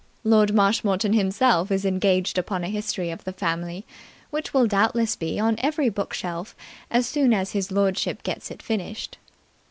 Lord Marshmoreton himself is engaged upon a history of the family, which will doubtless be on every bookshelf as soon as his lordship gets it finished.